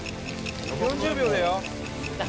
４０秒だよ。